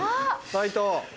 斉藤。